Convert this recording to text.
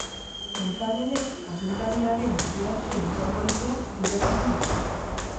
Antza denez, agintariaren adierazpen hiperbolikoak dibertitu ditu.